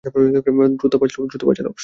দ্রুত পা চালাও!